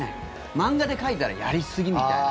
漫画で描いたらやりすぎみたいな。